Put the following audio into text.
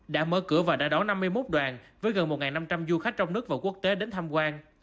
đã mở cửa và đã đón năm mươi một đoàn với gần một năm trăm linh du khách trong nước và quốc tế đến tham quan